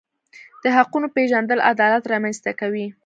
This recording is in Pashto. د حقونو پیژندل عدالت رامنځته کوي.